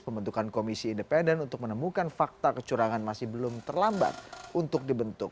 pembentukan komisi independen untuk menemukan fakta kecurangan masih belum terlambat untuk dibentuk